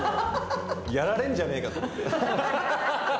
やられんじゃねえかと思って。